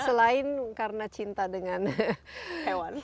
selain karena cinta dengan hewan